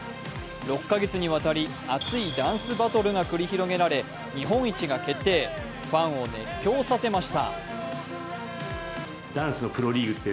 ６カ月に渡り熱いダンスバトルが繰り広げられ日本一が決定、ファンを熱狂させました。